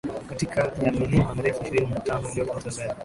katika ya milima mirefu ishirini na tano iliyopo Tanzania